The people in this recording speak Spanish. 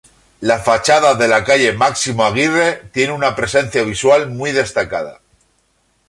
La fachada a la calle Máximo Aguirre tiene una presencia visual muy destacada.